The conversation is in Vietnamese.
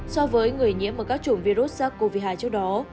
so với người nhiễm ở các chủng virus sars cov hai trước đó